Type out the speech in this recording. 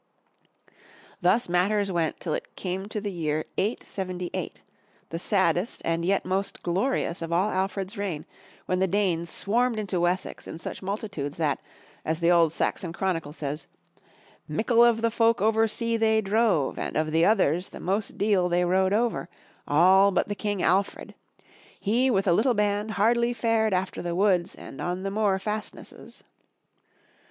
Thus matters went till it came to the year 878, the saddest and yet most glorious of all Alfred's reign, when the Danes swarmed into Wessex in such multitudes that, as the old Saxon Chronicle says, "Mickle of the folk over sea they drove, and of the others the most deal they rode over; all but the King Alfred. He with a little band hardly fared after the woods and on the moor fast nesses."